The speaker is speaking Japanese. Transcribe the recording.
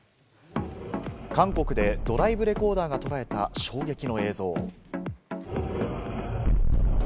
韓国でドライブレコーダーがとらえた衝撃の映像。